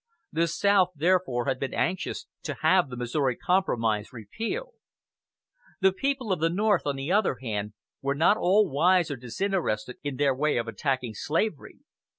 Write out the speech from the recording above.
The South therefore had been anxious to have the Missouri Compromise repealed. The people of the North, on the other hand, were not all wise or disinterested in their way of attacking slavery.